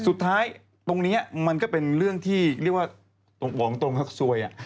สุดท้ายตรงนี้มันก็เป็นเรื่องที่เรียกว่าบอกตรงฮักซวย